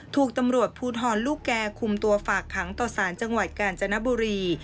ถูกตำรวจภูทรลูกแก่คุมตัวฝากขังต่อสารจังหวัดกาญจนบุรี